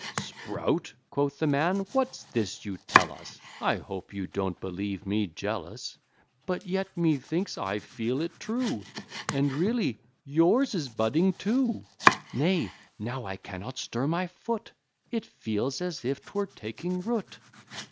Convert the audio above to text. "Sprout;" quoth the man; "what's this you tell us? I hope you don't believe me jealous! But yet, methinks, I feel it true, And really yours is budding too Nay, now I cannot stir my foot; It feels as if 'twere taking root."